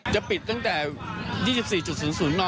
จะปิดตั้งใจ๒๔๐๐น